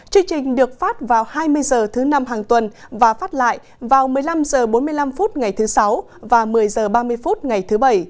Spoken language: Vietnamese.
chương trình được phát vào hai mươi h thứ năm hàng tuần và phát lại vào một mươi năm h bốn mươi năm phút ngày thứ sáu và một mươi h ba mươi phút ngày thứ bảy